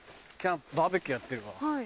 バーベキューやってるわ。